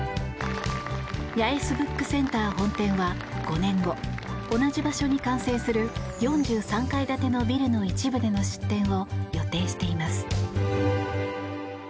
八重洲ブックセンター本店は５年後同じ場所に完成する４３階建てのビルの一部での出店を予定しています。